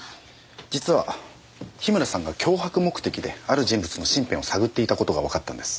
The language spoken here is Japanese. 実は樋村さんが脅迫目的である人物の身辺を探っていた事がわかったんです。